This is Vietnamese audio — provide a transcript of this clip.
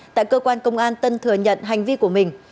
tại cơ quan công an tân thừa nhận hành vi của mình